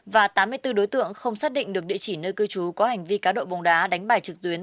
và tám mươi bốn đối tượng không xác định được địa chỉ nơi cư trú có hành vi cá đội bóng đá đánh bài trực tuyến